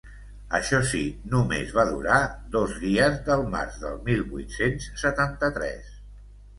Això sí, només va durar dos dies del març del mil vuit-cents setanta-tres.